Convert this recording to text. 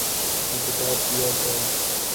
احتساب کیا تھا۔